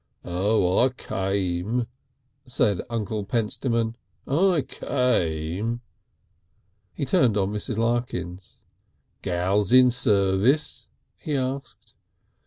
"Oh, I came" said Uncle Pentstemon. "I came." He turned on Mrs. Larkins. "Gals in service?" he asked.